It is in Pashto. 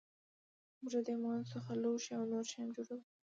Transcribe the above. موږ د دې موادو څخه لوښي او نور شیان جوړوو.